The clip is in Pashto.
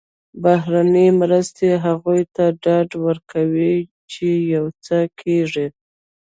بهرنۍ مرستې هغوی ته ډاډ ورکوي چې یو څه کېږي.